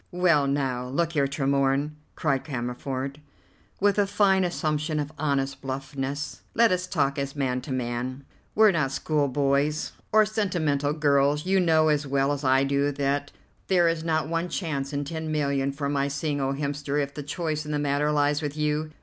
"Well, now, look here, Tremorne," cried Cammerford, with a fine assumption of honest bluffness, "let us talk as man to man. We're not school boys or sentimental girls. You know as well as I do that there is not one chance in ten million for my seeing old Hemster if the choice in the matter lies with you.